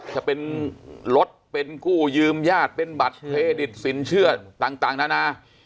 จะเป็นรถเป็นกู้ยืมญาติเป็นบัตรเครดิตสินเชื่อต่างนานา